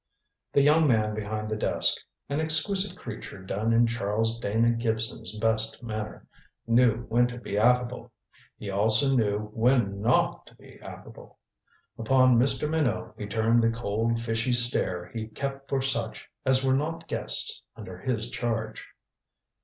The young man behind the desk an exquisite creature done in Charles Dana Gibson's best manner knew when to be affable. He also knew when not to be affable. Upon Mr. Minot he turned the cold fishy stare he kept for such as were not guests under his charge.